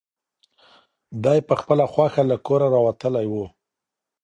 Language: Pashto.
دی په خپله خوښه له کوره راوتلی و.